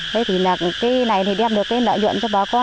thế thì là cái này thì đem được cái nợ nhuận cho bà con